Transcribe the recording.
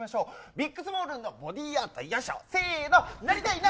ビックスモールンのボディーアート、よいしょ、せーの、なりたいな、